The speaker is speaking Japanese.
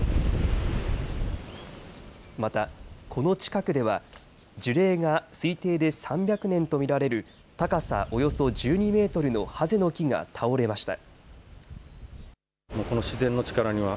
また、この近くでは樹齢が推定で３００年と見られる高さおよそ１２メートルのはぜの木が倒れました。